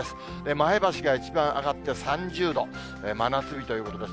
前橋が一番上がって３０度、真夏日ということです。